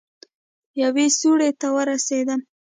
يوې سوړې ته ورسېدم.